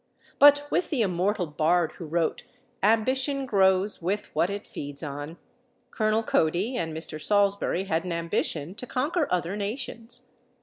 But with the immortal bard who wrote "ambition grows with what it feeds on," Colonel Cody and Mr. Salsbury had an ambition to conquer other nations.